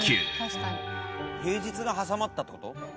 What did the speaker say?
平日が挟まったって事？